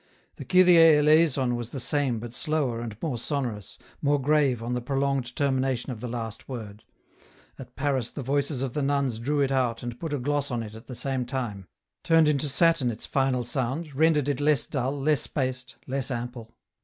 The " Kyrie Eleison " was the same but slower and more sonorous, more grave on the prolonged termination of the last word ; at Paris the voices of the nuns drew it out and put a gloss on it at the same time, turned into satin its final sound, rendered it less dull, less spaced, less ample.